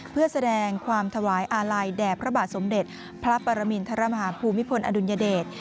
เพื่อแสดงความถวายอาลัยแด่พระบาทสมเด็จพระปรมินทรมาฮาภูมิพลอดุลยเดช